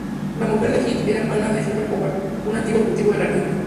La mujer de Heath era hermana de Elbert Hubbard, un antiguo ejecutivo de Larkin.